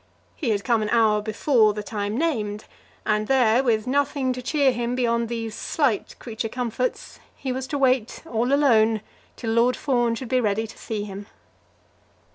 He had come an hour before the time named, and there, with nothing to cheer him beyond these slight creature comforts, he was left to wait all alone till Lord Fawn should be ready to see him.